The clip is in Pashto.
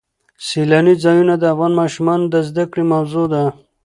سیلانی ځایونه د افغان ماشومانو د زده کړې موضوع ده.